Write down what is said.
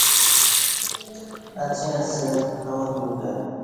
اچں اسہ ایمودیوکں